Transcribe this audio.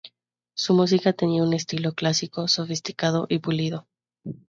Su música tenía un estilo clásico, sofisticado y pulido.